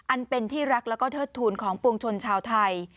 อันเป็นที่รักแล้วก็เทิดทูลของปวงชนชาวไทย